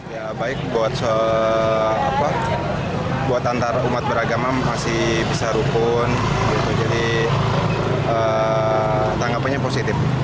ya baik buat antarumat beragama masih bisa rukun jadi tanggapannya positif